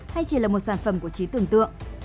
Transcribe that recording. hay chỉ là một sản phẩm của trí tưởng tượng